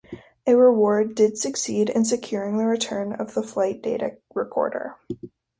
A reward did succeed in securing the return of the flight data recorder.